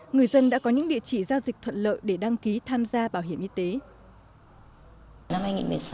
người dân đã có những địa chỉ giao dịch thuận lợi để đăng ký tham gia bảo hiểm y tế